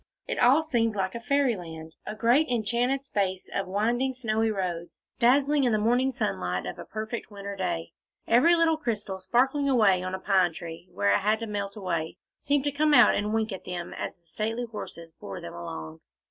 It all seemed like Fairyland, a great enchanted space of winding snowy roads, dazzling in the morning sunlight of a perfect winter day; every little crystal sparkling away on a pine tree, where it had to melt away, seemed to come out and wink at them, as the stately horses bore them along.